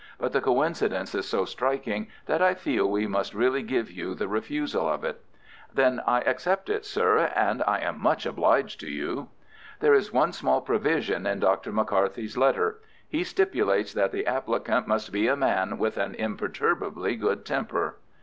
"But the coincidence is so striking that I feel we must really give you the refusal of it." "Then I accept it, sir, and I am much obliged to you." "There is one small provision in Dr. McCarthy's letter. He stipulates that the applicant must be a man with an imperturbably good temper."